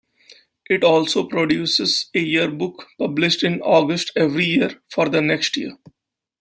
It also produces a yearbook, published in August every year for the next year.